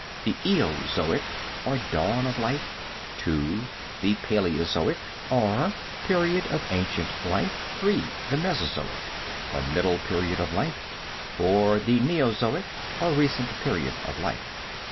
The Eozoic or dawn of life. 2. The Palaeozoic or period of ancient life. 3. The Mesozoic or middle period of life. 4. The Neozoic or recent period of life.